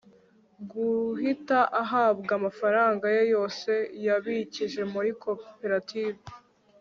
guhita ahabwa amafaranga ye yose yabikije muri koperative